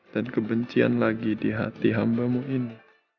dan kebencian lagi di hati hambamu ini